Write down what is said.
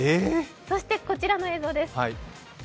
そして、こちらの映像です。